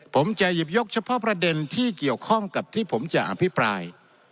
ผมจะหยิบยกเฉพาะประเด็นที่เกี่ยวข้องกับที่ผมจะอภิปราย